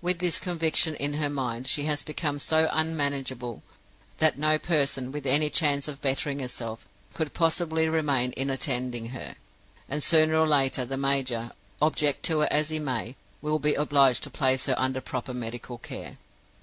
With this conviction in her mind, she has become so unmanageable that no person, with any chance of bettering herself, could possibly remain in attendance on her; and sooner or later, the major, object to it as he may, will be obliged to place her under proper medical care.